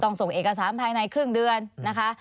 ส่งเอกสารภายในครึ่งเดือนนะคะ